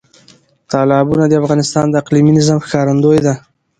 تالابونه د افغانستان د اقلیمي نظام ښکارندوی ده.